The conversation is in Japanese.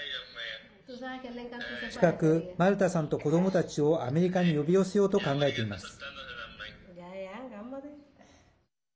近くマルタさんと子どもたちをアメリカに呼び寄せようと考えています。